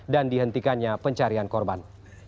dan dihentikannya pencarian korban